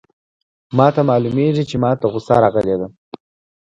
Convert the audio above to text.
ما ته معلومیږي چي ما ته غوسه راغلې ده.